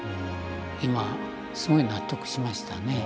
今すごい納得しましたね。